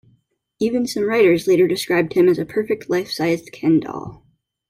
Even some writers later described him as a perfect life-sized Ken doll.